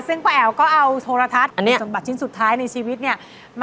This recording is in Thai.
ซึ่งป้าแอ๋วก็เอาโทรทัศน์อันนี้สมบัติชิ้นสุดท้ายในชีวิตเนี่ย